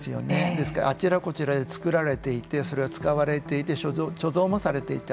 ですからあちらこちらで作られていてそれは使われていて貯蔵もされていた。